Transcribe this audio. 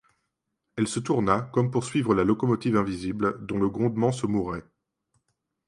Elle se tourna, comme pour suivre la locomotive invisible, dont le grondement se mourait.